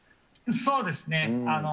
そうですね。